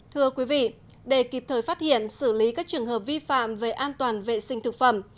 thưa quý vị để kịp thời phát hiện xử lý các trường hợp vi phạm về an toàn vệ sinh thực phẩm